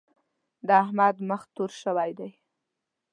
د احمد مخ تور شوی دی.